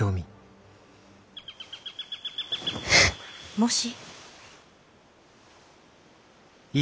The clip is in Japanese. ・もし。